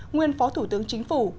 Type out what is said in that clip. nguyên phó thủ tướng chính phủ